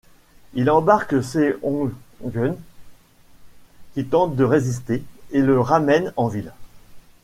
Ils embarquent Seong-geun qui tente de résister, et le ramène en ville.